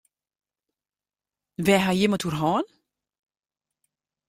Wêr ha jim it oer hân?